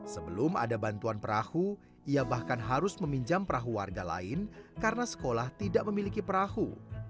sebelum ada bantuan perahu ia bahkan harus meminjam perahu warga lain karena sekolah tidak memiliki perahu